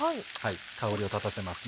香りを立たせます。